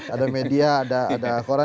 ada media ada koran